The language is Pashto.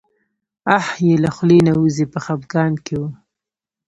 آه یې له خولې نه وځي په خپګان کې و.